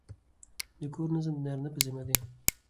د کور نظم د نارینه په ذمه دی.